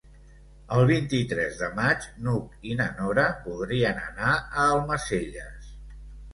El vint-i-tres de maig n'Hug i na Nora voldrien anar a Almacelles.